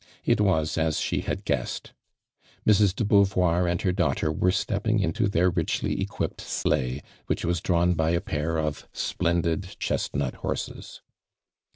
It was as she had guessed. Mrs. de Beauvoir and her daughtei were stepping into their richly eouipped sleigh, which was drawn by a pair of splendid chestnut horses.